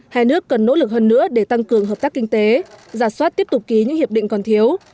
hai nước cần nỗ lực hơn nữa để tăng cường hợp tác kinh tế giả soát tiếp tục ký những hiệp định còn thiếu